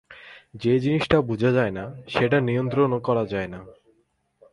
যে জিনিসটা বুঝা যায় না, সেটা নিয়ন্ত্রণও করা যায় না।